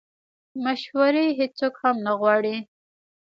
مشورې هیڅوک هم نه غواړي